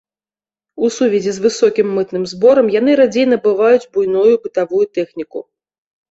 У сувязі з высокім мытным зборам яны радзей набываюць буйную бытавую тэхніку.